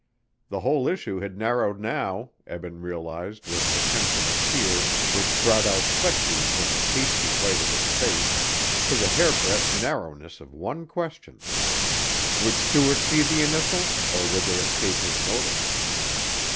The whole issue had narrowed now, Eben realized with a tension of fear which brought out sweat beads on the pasty white of his face, to the hairbreadth narrowness of one question. Would Stuart see the initials or would they escape his notice?